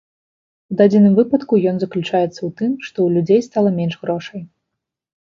У дадзеным выпадку ён заключаецца ў тым, што ў людзей стала менш грошай.